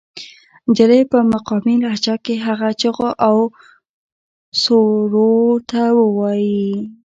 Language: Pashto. جلۍ پۀ مقامي لهجه کښې هغه چغو او سُورو ته وائي